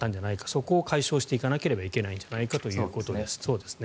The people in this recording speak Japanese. そこを解消していかなければいけないんじゃないかということです。